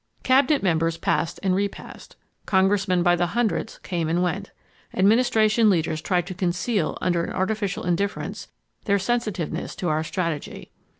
Cabinet members passed and repassed. Congressmen by the hundreds came and went. Administration leaders tried to conceal under an. artificial indifference their sensitiveness to our strategy.